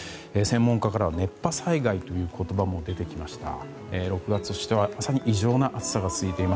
専門家からは熱波災害という言葉も出てきました。